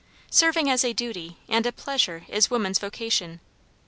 Serving as a duty and a pleasure is woman's vocation.